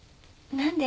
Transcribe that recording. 何で。